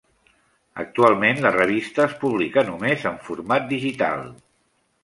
Actualment la revista es publica només en format digital.